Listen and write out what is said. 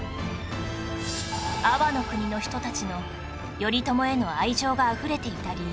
安房国の人たちの頼朝への愛情があふれていた理由